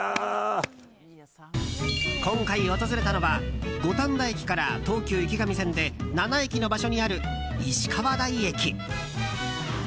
今回訪れたのは五反田駅から東急池上線で７駅の場所にある石川台駅。